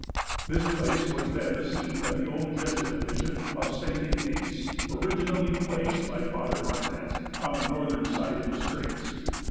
This place was then the seat of the old Jesuit mission of St. Ignace, originally placed, by Father Marquette, on the northern side of the straits.